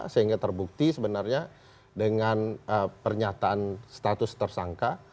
sehingga terbukti sebenarnya dengan pernyataan status tersangka